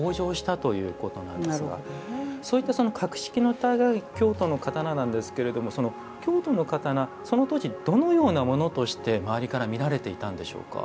そういった、格式の高い京都の刀なんですけれども京都の刀当時はどのようなものとして周りから見られていたんでしょうか？